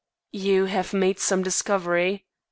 "You have made some discovery?"